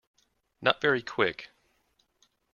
Not very Quick.